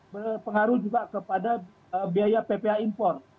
berpengaruh juga kepada biaya ppa import